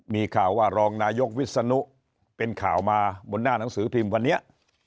มีข่าวว่ารองนายกวิศนุเป็นข่าวมาบนหน้าหนังสือพิมพ์วันนี้